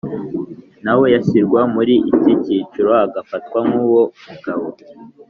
nawe yashyirwa muri iki cyiciro agafatwa nk uwo Umugabo